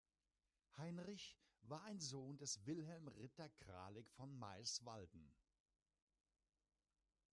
Heinrich war ein Sohn des Wilhelm Ritter Kralik von Meyrswalden.